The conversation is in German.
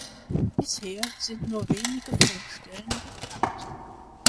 Bisher sind nur wenige Fundstellen bekannt.